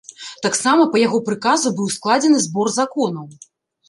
Таксама па яго прыказу быў складзены збор законаў.